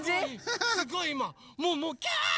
すごいいまもうもうキャーッ！